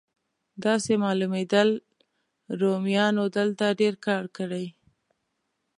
داسې معلومېدل رومیانو دلته ډېر کار کړی.